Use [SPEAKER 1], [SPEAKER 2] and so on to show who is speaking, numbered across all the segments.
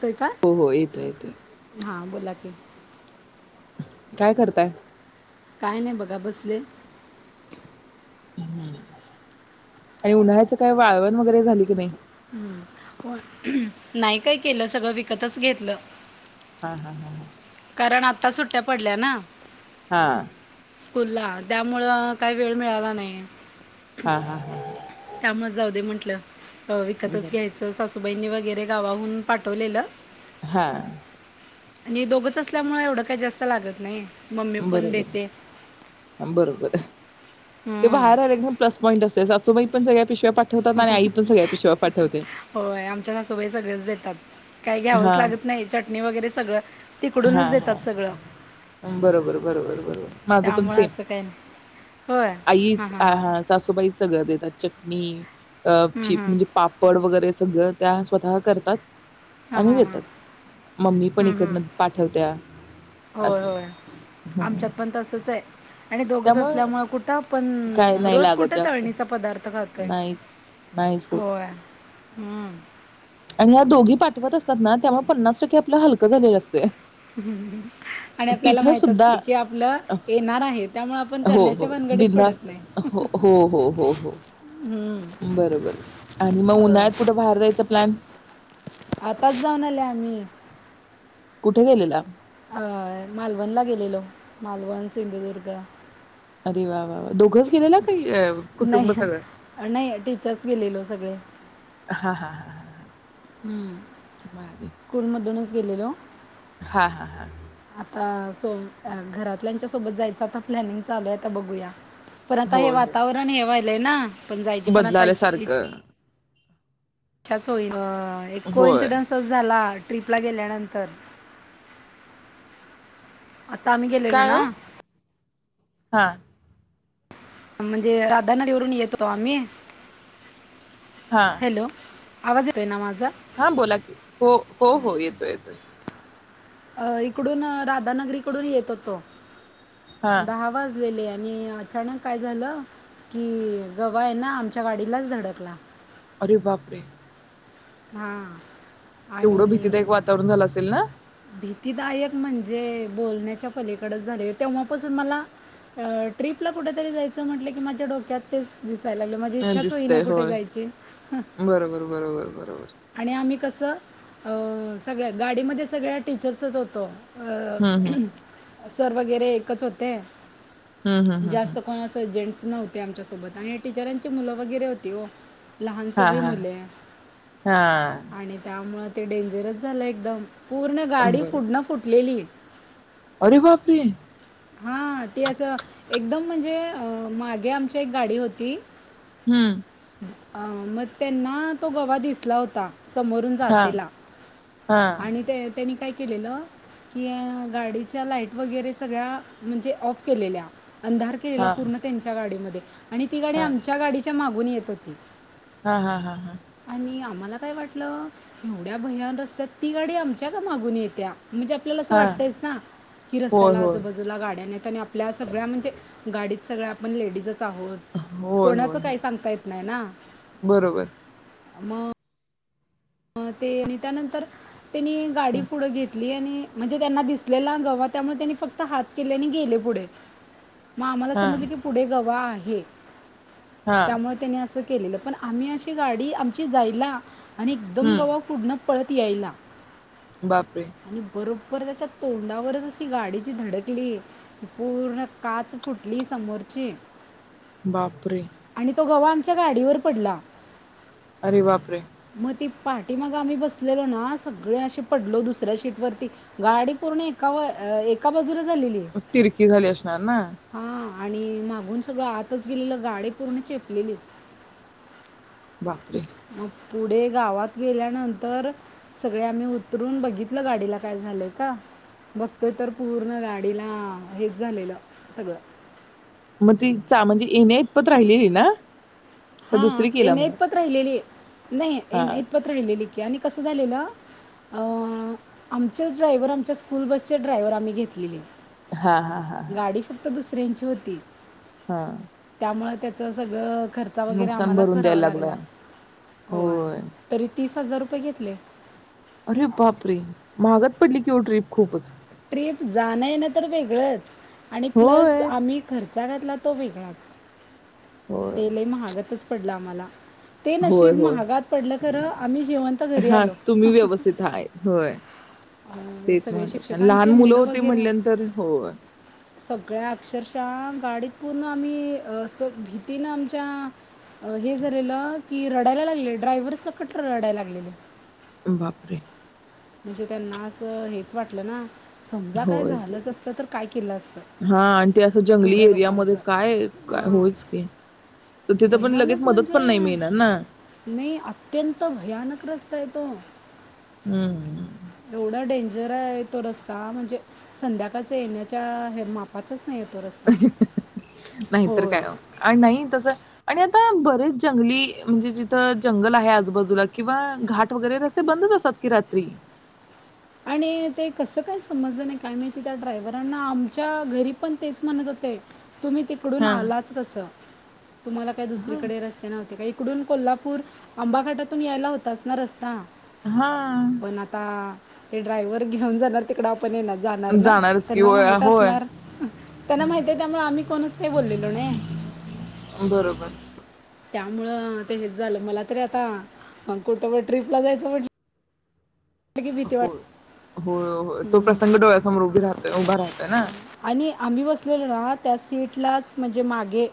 [SPEAKER 1] तोय का
[SPEAKER 2] हो हो येत येतय
[SPEAKER 1] हां बोला कीे
[SPEAKER 2] काय करताय.
[SPEAKER 1] काय नाही बघा बसले.
[SPEAKER 2] हम्म आणि उन्हाळ्याचं काय वाळवण वगैरे झाली की नाया
[SPEAKER 1] हम् नाही काय केलं सगळं विकतच घेतलं.
[SPEAKER 2] हा हा हा हा
[SPEAKER 1] कारण आता सुट्ट्या पडल्या ना
[SPEAKER 2] हा
[SPEAKER 1] स्कूलला त्यामुळं काही वेळ मिळाला नाही.
[SPEAKER 2] हा हा हा
[SPEAKER 1] कामात जाऊ दे म्हंटलं. विकतच
[SPEAKER 2] बर
[SPEAKER 1] घ्यायचं अस वाहिनी वगैरे गावाहून पाठवलेलं.
[SPEAKER 2] हा
[SPEAKER 1] आणि दोघच असल्यामुळे एवढं काही जास्त लागत नाही. मम्मी पण देते
[SPEAKER 2] बरोबर बरोबर ते
[SPEAKER 1] हम्म.
[SPEAKER 2] बाहेर आले एकदम प्स पॉईंट तास सासूबाई पण जायचं.
[SPEAKER 1] होय आमच्या सासुबाई सगळच देतात. काही
[SPEAKER 2] हा
[SPEAKER 1] घ्यावंच लागत नातर मम्मी वगैरे सगळं
[SPEAKER 2] हा
[SPEAKER 1] तिकडूनच
[SPEAKER 2] हा
[SPEAKER 1] देतात सगळं
[SPEAKER 2] बरोबर बरोबर बरोबर माझ पण
[SPEAKER 1] त्यामुळं
[SPEAKER 2] सेम
[SPEAKER 1] असं काय नाही होय हां
[SPEAKER 2] आईच
[SPEAKER 1] हां हां
[SPEAKER 2] हा सासूबाईच सगळं देतात चटणी अ
[SPEAKER 1] हं, हं.
[SPEAKER 2] चीपणीचे पापड वगैरे सगळं सगळं त्या स्वतः करतात.
[SPEAKER 1] हां
[SPEAKER 2] आणि
[SPEAKER 1] हां हां
[SPEAKER 2] येतात मी पण इकडं मम्मी पण
[SPEAKER 1] हं,
[SPEAKER 2] इकडन
[SPEAKER 1] हं. होय होय
[SPEAKER 2] हम्म
[SPEAKER 1] आमच्यात पण तसच आहे आणि दोघंच
[SPEAKER 2] त्यामुळे
[SPEAKER 1] असल्यामुळे कुठं आपण
[SPEAKER 2] काय नाही
[SPEAKER 1] रोज
[SPEAKER 2] लागत
[SPEAKER 1] कुठ
[SPEAKER 2] जास्त
[SPEAKER 1] तळणीचा पदार्थ खातोय,
[SPEAKER 2] नाहीच नाहीच होत
[SPEAKER 1] होय हम्म
[SPEAKER 2] आणि या दोघी पाठवत असतात ना त्यामुळे पन्नास टक्के आपला हलकं झालेलं असतय.
[SPEAKER 1] आणि आपल्याला
[SPEAKER 2] पिठ
[SPEAKER 1] माहीत
[SPEAKER 2] सुद्धा
[SPEAKER 1] असते की आपलं
[SPEAKER 2] अं
[SPEAKER 1] येणार आहे त्यामुळे आपण
[SPEAKER 2] हो
[SPEAKER 1] करण्याच्या भानगडीत पडत
[SPEAKER 2] बिंधास्त
[SPEAKER 1] नाही
[SPEAKER 2] हो हो हो हो
[SPEAKER 1] हं.
[SPEAKER 2] बरोबर आणि मग
[SPEAKER 1] होय
[SPEAKER 2] उन्हाळ्यात कुठे बाहेर जायच प्लॅन
[SPEAKER 1] आताच जाऊन आले आम्ही
[SPEAKER 2] कुठे गेलेला?
[SPEAKER 1] अ मालवणला गेलेलो मालवण, सिंधुदुर्ग
[SPEAKER 2] अरे वा वा दोघंच गेलेला का इ अ कुटुंब
[SPEAKER 1] नाही
[SPEAKER 2] सगळं -
[SPEAKER 1] नाही टीचर्स गेलेलो सगळे
[SPEAKER 2] हा हा हा हा
[SPEAKER 1] हम्म
[SPEAKER 2] भारी
[SPEAKER 1] स्कूलमधूनच गेलेलो
[SPEAKER 2] हा हा हा
[SPEAKER 1] आता सो घरातल्या सोबत जायंच प्लॅनिंग चालू आहे आता बघूया परता हे वातावरण हेवाय लेना
[SPEAKER 2] बदलाल्या सारखं
[SPEAKER 1] च्छाच होई अ एक को
[SPEAKER 2] होय
[SPEAKER 1] -इन्सिडन्सच झाला ट्रीपला गेल्यानंतर आता आम्ही गेलेलो
[SPEAKER 2] काय
[SPEAKER 1] ना
[SPEAKER 2] हो हा
[SPEAKER 1] म्हणजे राधा नगरी वरून येत होतो आम्ही
[SPEAKER 2] हा
[SPEAKER 1] हॅलो आवाज येतोय ना मा
[SPEAKER 2] हा बोला की हो हो हो येतोय येतोय
[SPEAKER 1] अ इकडून राधानगरीकडून येत होतो
[SPEAKER 2] हा
[SPEAKER 1] दहा वाजलेले या आणि अचानक काय झालं की गवा ए ना आमच्या गाडीलाच धडकला
[SPEAKER 2] अरे बाप रे!
[SPEAKER 1] हा
[SPEAKER 2] केवढं भीतीदायक वातावरण झालं असेल ना?
[SPEAKER 1] भीतीदायक म्हणजे बोलण्याच्या पलीकडंच झाले तेव्हापासून मला ट्रीपला कुठेतरी जायचं म्हटलं की माझ्या डोक्यात तेच दिसत, [unintelligible] माझी
[SPEAKER 2] अ,
[SPEAKER 1] इच्छाच होई ना
[SPEAKER 2] दिसतंय
[SPEAKER 1] कुठे
[SPEAKER 2] होय
[SPEAKER 1] जायची
[SPEAKER 2] बरोबर बरोबर बरोबर
[SPEAKER 1] आणि आम्ही कस सगळ्या गाडीमध्येच सगळ्या टीचर्सच होतो.
[SPEAKER 2] हम्म
[SPEAKER 1] अ
[SPEAKER 2] हम्म
[SPEAKER 1] सर वगैरे एकच होते.
[SPEAKER 2] हम्म हम्म हम्म हम्म.
[SPEAKER 1] जास्त कोण असं, जेन्टस नव्हते आमच्यासोबत आणि या टीचरांची मुलं वगैरे होती ओ. लहान
[SPEAKER 2] हा
[SPEAKER 1] सगळी
[SPEAKER 2] हा
[SPEAKER 1] मुले
[SPEAKER 2] हा
[SPEAKER 1] आणि त्यामुळं ते डेंजरस झालं एकदम. पूर्ण गाडी
[SPEAKER 2] बरोबर
[SPEAKER 1] फुढन फुटलेली.
[SPEAKER 2] अरे, बाप रे!
[SPEAKER 1] हा ती असं एकदम म्हणजे, अ मागे आमच्या एक गाडी होती.
[SPEAKER 2] हम्म
[SPEAKER 1] अ मग त्यांना तो गवा दिसला होता. समोरून
[SPEAKER 2] हा
[SPEAKER 1] जातेला
[SPEAKER 2] हा
[SPEAKER 1] आणि त्यांनी काय केलेलं की गाडीच्या लाईट वगैरे सगळ्या म्हणजे ऑफ केलेल्या अंधार केलेला
[SPEAKER 2] हा
[SPEAKER 1] पूर्ण त्यांच्या गाडीमध्ये, ते, आणि ती गाडी
[SPEAKER 2] हा
[SPEAKER 1] आमच्या गाडीच्या मागुन थांबून येत होती.
[SPEAKER 2] हा हा हा हा,
[SPEAKER 1] आणि आम्हाला काय वाटलं एवढ्या भयान रस्त्यात ती गाडी आमच्या का मागून येत्या. म्हणजे आपल्याला असं
[SPEAKER 2] हा
[SPEAKER 1] वाटतयच ना की
[SPEAKER 2] होय
[SPEAKER 1] रस्त्याला
[SPEAKER 2] होय
[SPEAKER 1] आजूबाजूला. ला गाड्या नाहीत आणि आपल्या सगळ्या म्हणजे गाडीत सगळ्या आपण लेडीजच च आहोत.
[SPEAKER 2] होय
[SPEAKER 1] कोणाच
[SPEAKER 2] होय
[SPEAKER 1] काही
[SPEAKER 2] होय
[SPEAKER 1] सांगता येत नाही ना,
[SPEAKER 2] बरोबर
[SPEAKER 1] मग. अ ते आणि त्यानंतर, त्यांनी गाडी
[SPEAKER 2] हा
[SPEAKER 1] पुढं घेतली आणि, म्हणजे त्यांना दिसलेला गवा त्यामुळे त्यांनी फक्त हात केले आणि गेले पुढे. मग आम्हाला
[SPEAKER 2] हा
[SPEAKER 1] समजलं की पुढे गवा आहे. हे,
[SPEAKER 2] हा
[SPEAKER 1] त्यामुळे
[SPEAKER 2] हम्म
[SPEAKER 1] त्यांनी असं. केलेलं पण आम्ही अशी आमची गाडी ज्यायला आणि, एकदम गव्हा पुढंन, पळत यायला
[SPEAKER 2] बापरे
[SPEAKER 1] आणि बरो बर त्याच्या तोंडावरच जशी गाडी जी धडकली पूर्ण काच फुटली समोरची.
[SPEAKER 2] बापरे.
[SPEAKER 1] च्या गाडीवर पडला.
[SPEAKER 2] अरे बापरे.
[SPEAKER 1] मग ती पाठीमागं आम्ही बसलेलो ना सगळे असे पडलो दुसऱ्या शीट वरती गाडी पूर्ण एका व अ एका बाजूला झालेली
[SPEAKER 2] तिरकी झाली असणार ना?
[SPEAKER 1] हां आणि मागून सगळं आतच गेलेलं गाडी पूर्ण चेपलेली.
[SPEAKER 2] बापरे.
[SPEAKER 1] मग पुढे गावात गेल्यानंतर सगळे आम्ही उतरून बघितलं गाडीला काय झालंय का? बघतोय तर पूर्ण गाडीला हेच झालेलं सगळं.
[SPEAKER 2] मग ती चा म्हणजे येण्यापतर राहिलेली ना? का
[SPEAKER 1] हा
[SPEAKER 2] दुसरी केला
[SPEAKER 1] येन्या
[SPEAKER 2] मग?
[SPEAKER 1] इतपर राहिलेली. आहे नाही
[SPEAKER 2] हा.
[SPEAKER 1] येण्याइतपत राहिलेली की आणि कसं झालेलं? अं आमचेच ड्रायवर आमच्या स्कूल बसचे ड्रायवर आम्ही घेतलेले.
[SPEAKER 2] हा हा हा हा.
[SPEAKER 1] क्त दुसऱ्यांची होती.
[SPEAKER 2] हा.
[SPEAKER 1] म त्याचं सगळं ख चा वगैरे आम्हालाच
[SPEAKER 2] भरून द्यायला
[SPEAKER 1] भरावा लागला! होय, तरी तीस हजार रुपये घेतले.
[SPEAKER 2] अरे बापरे! महागात पडली की हो ट्रीप खूपच.
[SPEAKER 1] ट्रिप जाणं येणं तर वेगळंच आणि प्लस
[SPEAKER 2] होय.
[SPEAKER 1] आम्ही खर चा घातला तो वेगळाच.
[SPEAKER 2] होय.
[SPEAKER 1] ते लई महागतच पडलं आम्हाला. ते
[SPEAKER 2] होय,
[SPEAKER 1] नशीब
[SPEAKER 2] होय.
[SPEAKER 1] महागात पडलं! खरं आम्ही जिवंत घरी
[SPEAKER 2] हां,
[SPEAKER 1] आलो!
[SPEAKER 2] तुम्ही व्यवस्थित आहेत. होय.
[SPEAKER 1] अ
[SPEAKER 2] तेच
[SPEAKER 1] सगळे
[SPEAKER 2] महत्वाचं आणि लहान
[SPEAKER 1] शिक्षकांचे मुलं
[SPEAKER 2] होती
[SPEAKER 1] वगैरे,
[SPEAKER 2] म्हटल्यानंतर होय.
[SPEAKER 1] सगळ्या अक्षरशः गाडीत पूर्ण आम्ही अ सग तिनं आमच्या हे झालेलं, की रडायला लागले. ड्रायव्हर सकट रडायला लागलेले.
[SPEAKER 2] बापरे!
[SPEAKER 1] म्हणजे त्यांना असं हेच वाटलं ना. समजा काय
[SPEAKER 2] होयच
[SPEAKER 1] झालंच
[SPEAKER 2] की.
[SPEAKER 1] असतं तर काय केलं असत?
[SPEAKER 2] हां आणि ते असं जंगली
[SPEAKER 1] एवढ्या
[SPEAKER 2] एरियामध्ये
[SPEAKER 1] लोकांचं?
[SPEAKER 2] काय काय
[SPEAKER 1] हा
[SPEAKER 2] होयच की. तर तिथं पण लगेच
[SPEAKER 1] भयानक
[SPEAKER 2] मदत
[SPEAKER 1] म्हणजे,
[SPEAKER 2] पण नाही मिळणार ना.
[SPEAKER 1] नाही अत्यंत भयानक रस् तेतो
[SPEAKER 2] हं.
[SPEAKER 1] येवढा डेंजर जरा तो रस्ता! म्हणजे संध्याकाळच येण्याच्या हे मापाचच
[SPEAKER 2] नाहीतर
[SPEAKER 1] होय
[SPEAKER 2] काय ओ! आणि नाही तस आणि आता बरेच जंगली म्हणजे जिथं जंगल आहे! आजूबाजूला किंवा घाट वगैरे रस्ते बंदच असतात की रात्री!
[SPEAKER 1] आणि ते कसं काय समजलं नाही? काय माहिती? त्या ड्रायव्हरांना आमच्या घरी पण तेच म्हणत होते! तुम्ही तिकडून
[SPEAKER 2] हां.
[SPEAKER 1] आलाच कसं? तुम्हाला काही
[SPEAKER 2] हां,
[SPEAKER 1] दुसरीकडे रस्ते नव्हते काही? इकडून कोल्हापूर आंबाघाटातून यायला होताच ना रस्ता!
[SPEAKER 2] हां.
[SPEAKER 1] पण आता? ते ड्रायव्हर घेऊन जाणार तिकड पण ये ना जाणार ना
[SPEAKER 2] जाणारच की
[SPEAKER 1] त्यांना
[SPEAKER 2] होय,
[SPEAKER 1] माहित
[SPEAKER 2] होय.
[SPEAKER 1] असणार त्यांना माहित आहे त्यामुळे आम्ही कोणच का बोललेलो नाही.
[SPEAKER 2] बरोबर.
[SPEAKER 1] त्यामुळं ते हेच झालं मला तरी आता कुठब ट्रीपला जायचं म्हटलं. की भीती
[SPEAKER 2] हो
[SPEAKER 1] वाट
[SPEAKER 2] हो तो
[SPEAKER 1] हम्म.
[SPEAKER 2] प्रसंग डोळ्यासमोर उभी राहत उभा राहतय ना
[SPEAKER 1] आणि आम्ही बसलेलो ना त्या सीटलाच म्हणजे मागे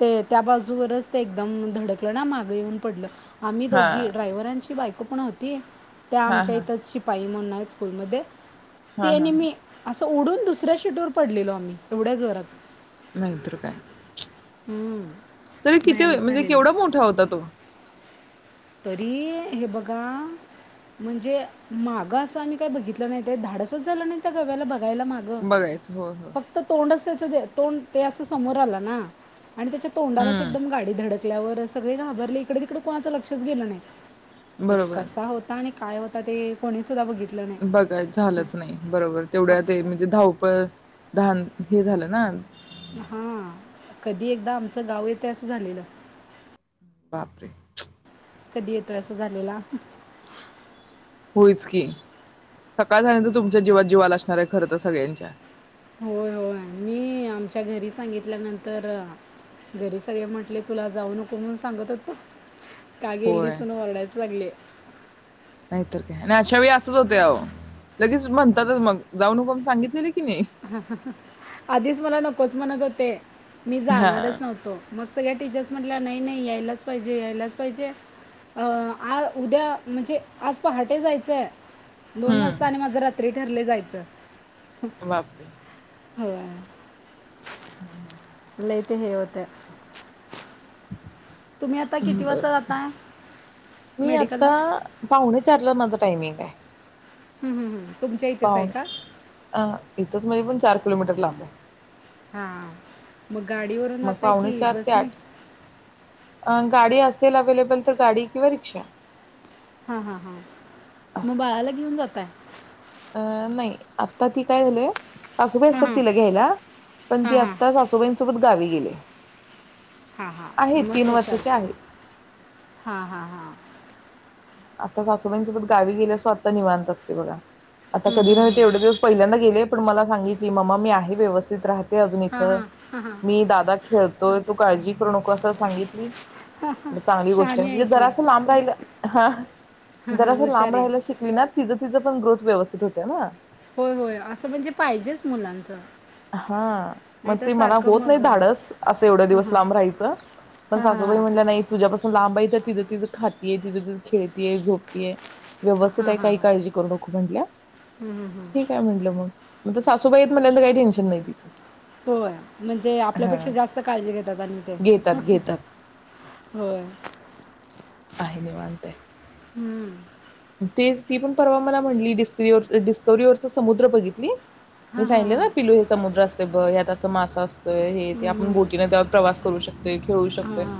[SPEAKER 1] ते त्या बाजूवरच ते एकदम धडकलं ना मागे येऊन पडलं. आम्ही दोघी
[SPEAKER 2] हां.
[SPEAKER 1] ड्राय्हांची बाक खपण होतीय. त्या
[SPEAKER 2] हां,
[SPEAKER 1] आमच्या
[SPEAKER 2] हां.
[SPEAKER 1] इथंच शिपाई म्हण मा स्कूलमध्ये
[SPEAKER 2] हां,
[SPEAKER 1] तेने
[SPEAKER 2] हां, हां.
[SPEAKER 1] मी अस उडून दुसऱ्या शिटर पडलेलो आम्ही एवढ्याच जोरात
[SPEAKER 2] नाहीतर काय
[SPEAKER 1] हम्म.
[SPEAKER 2] तरी किती
[SPEAKER 1] भयानक
[SPEAKER 2] म्हणजे
[SPEAKER 1] झालेलं
[SPEAKER 2] केवढा मोठा होता तो
[SPEAKER 1] तरी हे बघा म्हणजे माग असं आम्ही काही बघितलं नाही ते धाडसच झालं नाही त्या गव्याला बघ घायला माग
[SPEAKER 2] बघायचं. होय, होय.
[SPEAKER 1] फक्त तोंड दे तोंड ते असं समोर आलं ना आणि त्याच्या तोंडालाच
[SPEAKER 2] हं.
[SPEAKER 1] एकदम गाडी धडत ल्या सगळे घाबरले इकडे तिकडे कोणाचंग लक्षच गेलं नाही. ते
[SPEAKER 2] बरोबर.
[SPEAKER 1] कसा होता आणि काय होता ते कोणी
[SPEAKER 2] बघाय झालंच नाही बरोबर
[SPEAKER 1] आप
[SPEAKER 2] तेवढ्या ते म्हणजे धाव प्रधान हे झालं ना
[SPEAKER 1] हा कधी एकदा आमचं गाव येत असं झालेलं.
[SPEAKER 2] बापरे.
[SPEAKER 1] कधी येतं अस झालेला.
[SPEAKER 2] होयच की. सकाळ झाल्यावर तुमच्या जिवात जीव आला असेल. खर तर सगळ्यांच्या
[SPEAKER 1] होय होय मी आमच्या घरी सांगितल्यानंतर, घरी सगळे म्हटले तुला जाऊ नको म्हणून सांगत होतो. का गेली
[SPEAKER 2] होय
[SPEAKER 1] म्हणून ओरडायला लागले.
[SPEAKER 2] नाहीतर काय आणि अशा वेळी असंच होते अहो लगेच म्हणतातच मग जाऊ नक सांगितलेली.
[SPEAKER 1] आधीच मला न नको म्हणत होते. मी
[SPEAKER 2] हा
[SPEAKER 1] जाणारच नव्हतो. मग सगळ्या टीचर्स म्हटल्या नाही नाही यायलाच पाहिजे यायलाच पाहिजे आ उद्या म्हणजे आज पहाटे जायचंय दोन वाजता आणि
[SPEAKER 2] हम्म
[SPEAKER 1] माझ रात ठरले जायचं.
[SPEAKER 2] बापरे.
[SPEAKER 1] हो.
[SPEAKER 2] हम्म हम्म.
[SPEAKER 1] लई ते हे होतय. जाताय
[SPEAKER 2] मी आता
[SPEAKER 1] मेडिकलला
[SPEAKER 2] पाहुणे चारला माझं टायमिंग आहे.
[SPEAKER 1] हम्म हम्म.
[SPEAKER 2] पाहणे अ इथंच म्हणजे पण चार किलोमीटर ला बा.
[SPEAKER 1] हा. मग गाडीवरून
[SPEAKER 2] मग
[SPEAKER 1] जातय
[SPEAKER 2] पावणे
[SPEAKER 1] की
[SPEAKER 2] चार ते
[SPEAKER 1] बस नी?
[SPEAKER 2] आठ अ गाडी असेल अवे्लेबल तर गाडी किंवा रिक्षा.
[SPEAKER 1] हा हा हा. मग बाळाला घेऊन जातय.
[SPEAKER 2] अं नाही आता ती काय झालीय. सासूबाई असतात तिला घ्यायला पण ती आत्ता सासूबाईंसोबत गावी गेले.
[SPEAKER 1] हा हा
[SPEAKER 2] आहे तीन
[SPEAKER 1] मग
[SPEAKER 2] वर्षाची आहे
[SPEAKER 1] हा हा.
[SPEAKER 2] आता सासूबाईंसोबत गावी गेल्या स्वतः आता निवांत असते बघा. आता
[SPEAKER 1] हं,
[SPEAKER 2] कधी नव तेवढे दिवस पहिल्यांदा गेले पण मला सांगितली मम्मा मी आहे. व्यवस्थित राहते. ते अजून
[SPEAKER 1] हां
[SPEAKER 2] इथं
[SPEAKER 1] हां
[SPEAKER 2] मी दादा खेळतो. तोवर तो काळजी करू नको असं सांगितली चांगली गोष्ट आहे.
[SPEAKER 1] शहाणी
[SPEAKER 2] म्हणजे
[SPEAKER 1] की
[SPEAKER 2] जरास लांब राहिल हा हा
[SPEAKER 1] हां हां
[SPEAKER 2] जरास
[SPEAKER 1] हुशार
[SPEAKER 2] लांब
[SPEAKER 1] आहे
[SPEAKER 2] राहायला शिकली ना तिचं तिचं पण ग्रोथ व्यवस्थित होतय ना
[SPEAKER 1] होय होय असं म्हणजे पाहिजेच मुलांचं
[SPEAKER 2] हा मग
[SPEAKER 1] नाही तर
[SPEAKER 2] ते मला
[SPEAKER 1] सारखं
[SPEAKER 2] होत नाही
[SPEAKER 1] मग हां
[SPEAKER 2] धाडस असं एवढ्या दिवस
[SPEAKER 1] हां
[SPEAKER 2] लांब राहायचं पण
[SPEAKER 1] हां
[SPEAKER 2] सासूबाई म्हणल्या
[SPEAKER 1] हां
[SPEAKER 2] नाही तुझ्यापासून लांब त तिज तिज खातीय तिज तिज खेळतीय झोपतीय. व्यवस्थित
[SPEAKER 1] हां
[SPEAKER 2] आहे
[SPEAKER 1] हां
[SPEAKER 2] काही काळजी करू नको म्हंटल्या, ठीक आहे म्हटलं मग मग त्या सासुबाई आहेत म्हणल्यावर काय टेन्श नाय तीच
[SPEAKER 1] होय म्हणजे आपल्यापेक्षा जास्त काळजी घेतात आणि त्या
[SPEAKER 2] घेतात घेतात
[SPEAKER 1] होय
[SPEAKER 2] आहे निवांत आहे
[SPEAKER 1] हुं
[SPEAKER 2] ते ती पण परवा मला म्हटली डिस्कवरीवर डिस्कवरीवरच समुद्र बघितली. मी
[SPEAKER 1] हां हां
[SPEAKER 2] सांगितल
[SPEAKER 1] हां
[SPEAKER 2] ना पिलू समुद्र अस [unintelligible] असतंय हे ते आपण बोटीन जावून प्रवास करू शकतोय खेळू
[SPEAKER 1] हां
[SPEAKER 2] शकतोय
[SPEAKER 1] हां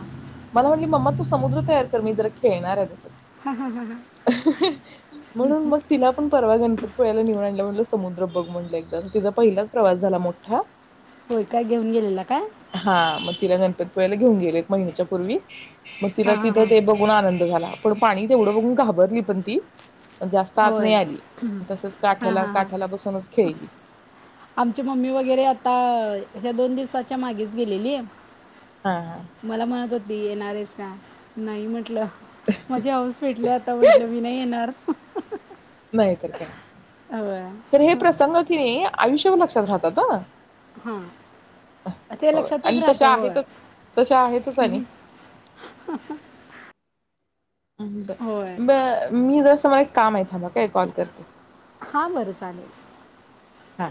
[SPEAKER 2] मला म्हणली मम्मा तु समुद्र तयार कर मी जरा खेळणार आहे त्याच्यात
[SPEAKER 1] हा हा हा हा
[SPEAKER 2] म्हणून मग तिला पण परवा गणपतीपुळ्याला नेवून आणलं म्हणलं समुद्र बग म्हणल एकदा तिचा पहिलाच प्रवास झाला मोठा
[SPEAKER 1] होय काय? घेऊन गेलेला काय?
[SPEAKER 2] पुळ्याला घेऊन गेलेटं एक महिन्याच्या पूर्वी म तिला
[SPEAKER 1] हां हां
[SPEAKER 2] तिथं
[SPEAKER 1] हां
[SPEAKER 2] ते बघून आनंद झाला. पाणी तेवढं बघून घाबर ली एकदम ती जास्त आत
[SPEAKER 1] होय
[SPEAKER 2] नाय आली, तसच
[SPEAKER 1] हां
[SPEAKER 2] काठ्याला
[SPEAKER 1] हां हां
[SPEAKER 2] काठ्याला बसूनच खेळली.
[SPEAKER 1] आमची मम्मी वगैरे आता ह्या दोन दिवसाच्या मागेच गेलेली.
[SPEAKER 2] हा हा
[SPEAKER 1] मला म्हणत होती येणार आहेस का? नाही म्हटलं. माझी हाऊस फिटली आता म्हंटलं मी नाय येणार.
[SPEAKER 2] नाहीतर काय
[SPEAKER 1] होय
[SPEAKER 2] तर हे प्रसंग की नय आयुष्यभर लक्षात राहतात हं
[SPEAKER 1] हा ते लक्षातच
[SPEAKER 2] आणि
[SPEAKER 1] राहतय
[SPEAKER 2] तशा
[SPEAKER 1] होय.
[SPEAKER 2] आहेतच तशा आहेतच आणि [unintelligible]
[SPEAKER 1] होय
[SPEAKER 2] थांबा एक काम आहे, थांबा काय एक कॉल करते.
[SPEAKER 1] हा बरं चालेल.
[SPEAKER 2] हा,